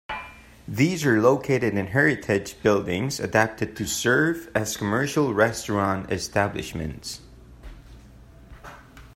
These are located in heritage buildings adapted to serve as commercial restaurant establishments.